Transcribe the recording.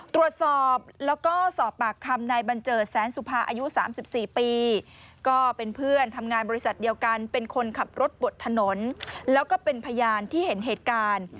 ตรวจสอบแล้วก็สอบปากคำนายบัญเจิดแสนสุภาอายุ๓๔ปีก็เป็นเพื่อนทำงานบริษัทเดียวกันเป็นคนขับรถบดถนนแล้วก็เป็นพยานที่เห็นเหตุการณ์